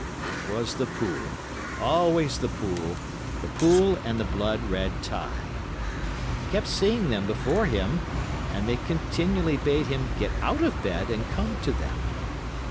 It was the pool, always the pool, the pool and the blood red tie. He kept seeing them before him, and they continually bade him get out of bed and come to them.